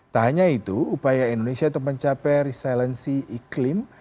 tak hanya itu upaya indonesia untuk mencapai resilensi iklim